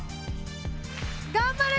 頑張れ！